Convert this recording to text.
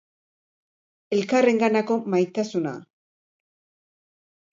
Elkarrenganako maitasuna.